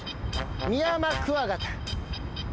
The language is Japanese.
ミヤマクワガタ。